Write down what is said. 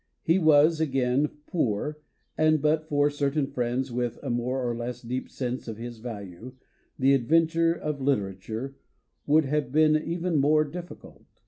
He was, again, poor, and but for certain friends with a more or less deep sense of his value " the adventure of literature " would have been even more difficult.